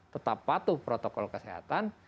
tetap patuh protokol kesehatan